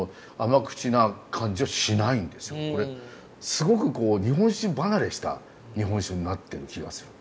すごく日本酒離れした日本酒になってる気がする。